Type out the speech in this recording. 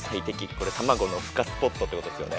これタマゴのふ化スポットってことですよね。